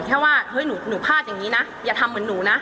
แค่ว่าเฮ้ยหนูพลาดอย่างนี้นะอย่าทำเหมือนหนูนะ